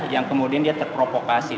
yang kemudian dia terprovokasi